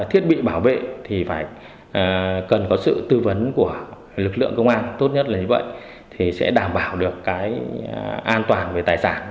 thiết bị bảo vệ thì cần có sự tư vấn của lực lượng công an tốt nhất là như vậy thì sẽ đảm bảo được cái an toàn về tài sản